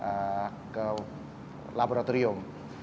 alternatif lainnya kita labeling dan kita kirim ke laboratorium